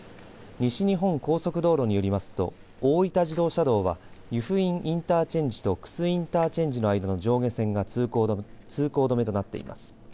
西日本高速道路によりますと大分自動車道は湯布院インターチェンジと玖珠インターチェンジの間の上下線が通行止めとなっています。